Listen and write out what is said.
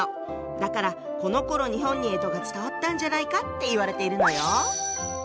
だからこのころ日本に干支が伝わったんじゃないかっていわれているのよ。